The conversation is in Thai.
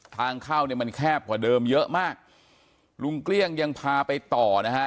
ทางเข้าเนี่ยมันแคบกว่าเดิมเยอะมากลุงเกลี้ยงยังพาไปต่อนะฮะ